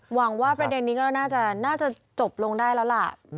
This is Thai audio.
หวังว่าประเด็นนี้ก็น่าจะจบลงได้แล้วล่ะ